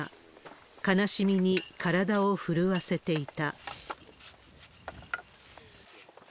悲しみに体を震わせていた。